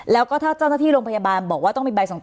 แล้วก็ถ้าเจ้าหน้าที่โรงพยาบาล